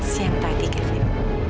siang tadi kevin